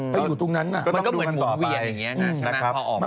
ไปอยู่ตรงนั้นมันก็เหมือนหมุนเวียนอย่างนี้นะใช่ไหม